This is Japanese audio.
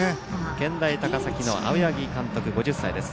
健大高崎の青柳監督、５０歳です。